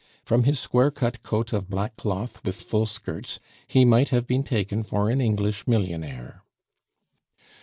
From his squarecut coat of black cloth with full skirts he might have been taken for an English millionaire.